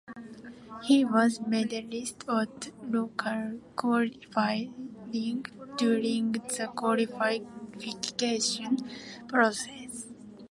He was medalist at local qualifying during the qualification process.